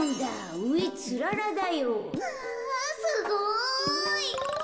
うわすごい！